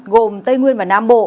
gồm tây nguyên và nam bộ